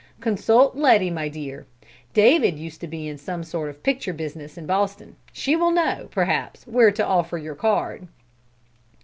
"Consult Letty, my dear. David used to be in some sort of picture business in Boston. She will know, perhaps, where to offer your card!"